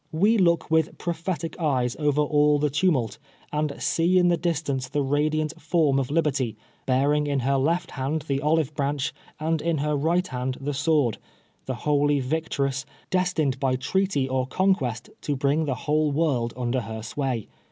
We look with prophetic eyes over all the tumult, and see in the distance the radiant form of Liberty, bearing in her left hand the olive branch and in her right hand the sword, the holy victress, destined by treaty or conquest to bring the whole world under her sway.